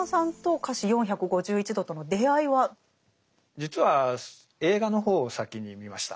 実は映画の方を先に見ました。